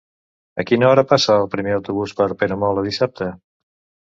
A quina hora passa el primer autobús per Peramola dissabte?